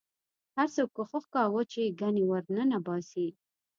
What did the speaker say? هر څوک کوښښ کاوه چې ګنې ورننه باسي.